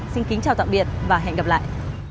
xin kính chào tạm biệt và hẹn gặp lại